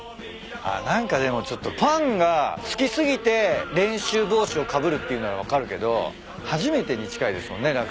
あっ何かでもちょっとファンが好き過ぎて練習帽子をかぶるっていうなら分かるけど初めてに近いですもんね。